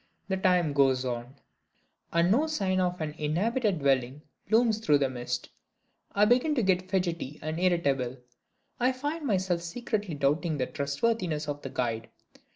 The time goes on; and no sign of an inhabited dwelling looms through the mist. I begin to get fidgety and irritable; I find myself secretly doubting the trustworthiness of the guide.